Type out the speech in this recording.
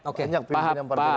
oke enggak pilih pilih yang pertama